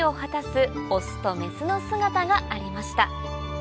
大事なことオスとメスの姿がありました